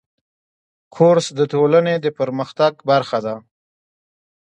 کورس د ټولنې د پرمختګ برخه ده.